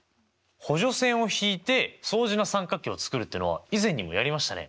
補助線を引いて相似な三角形を作るっていうのは以前にもやりましたね！